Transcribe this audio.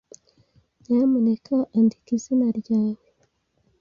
Nyamuneka andika izina ryawe.